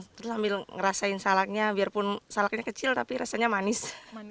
terus sambil ngerasain salaknya biarpun salaknya kecil tapi rasanya manis